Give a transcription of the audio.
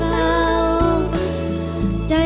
กลับมาเมื่อเวลาที่สุดท้าย